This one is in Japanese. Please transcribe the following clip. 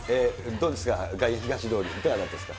どうですか、外苑東通り、いかがだったですか？